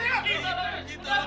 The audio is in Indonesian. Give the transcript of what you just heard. gua bikin nyesel lu